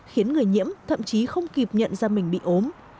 khiến người nhiễm thậm chí không kịp nhận ra mình bị ốm